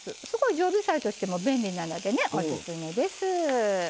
常備菜としても便利なので、オススメです。